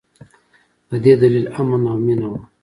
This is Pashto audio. د دې دلیل امن او مینه وه.